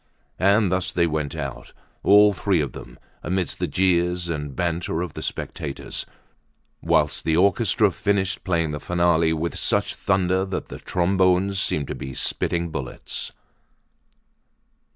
And thus they went out, all three of them, amid the jeers and banter of the spectators, whilst the orchestra finished playing the finale with such thunder that the trombones seemed to be spitting bullets.